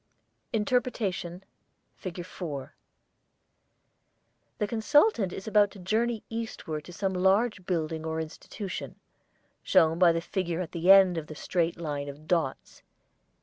INTERPRETATION FIG. 4 The consultant is about to journey eastward to some large building or institution, shown by the figure at the end of the straight line of dots.